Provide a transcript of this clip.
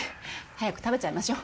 早く食べちゃいましょ。